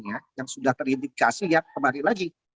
yang sudah terindikasi yang kemarin lagi